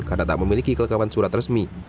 karena tak memiliki kelengkapan surat resmi